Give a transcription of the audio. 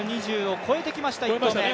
２１ｍ２０を超えてきました、１投目。